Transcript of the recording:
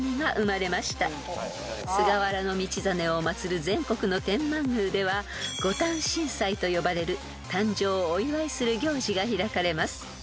［菅原道真を祭る全国の天満宮では御誕辰祭と呼ばれる誕生をお祝いする行事が開かれます］